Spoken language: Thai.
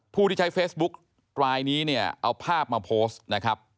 ผู้ที่ใช้เฟซบุ๊กกลายนี้เอาภาพมาโพสต์